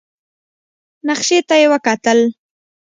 نخشې ته يې وکتل.